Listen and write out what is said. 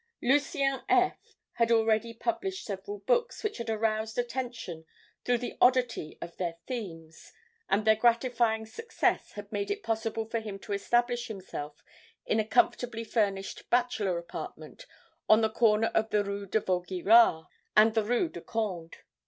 "Lucien F. had already published several books which had aroused attention through the oddity of their themes, and their gratifying success had made it possible for him to establish himself in a comfortably furnished bachelor apartment on the corner of the rue de Vaugirard and the rue de Conde.